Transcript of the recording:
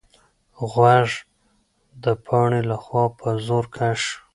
غوږ د پاڼې لخوا په زور کش شو.